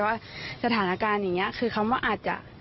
ว่าสถานการณ์อย่างนี้คือคำว่าอาจจะ